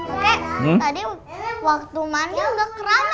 oke tadi waktu mandi enggak keramas ya